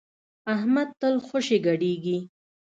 احمد تل خوشی ګډېږي.